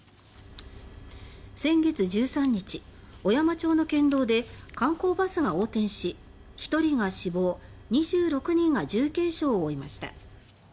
先月１３日、小山町の県道で観光バスが横転し１人が死亡、２６人が重軽傷を負いました。